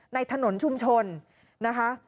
ในถนนชุมชนนะคะ